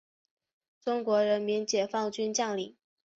中国人民解放军将领。